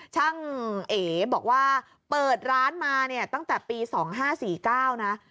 ช่างเอ๋บอกว่าเปิดร้านมาเนี่ยตั้งแต่ปี๒๕๔๙นะ